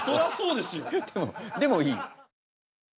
でもいい。